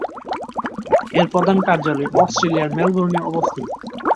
এর প্রধান কার্যালয় অস্ট্রেলিয়ার মেলবোর্নে অবস্থিত।